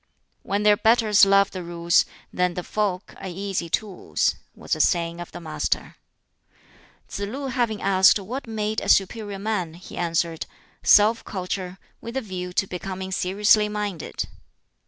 "When their betters love the Rules, then the folk are easy tools," was a saying of the Master. Tsz lu having asked what made a "superior man," he answered, "Self culture, with a view to becoming seriously minded."